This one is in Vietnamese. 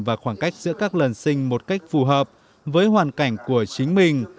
và khoảng cách giữa các lần sinh một cách phù hợp với hoàn cảnh của chính mình